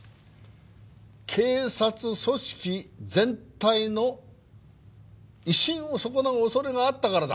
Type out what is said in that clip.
警察組織全体の威信を損なう恐れがあったからだ。